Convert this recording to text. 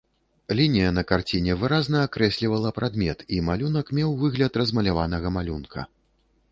Лінія на карціне выразна акрэслівала прадмет, і малюнак меў выгляд размаляванага малюнка.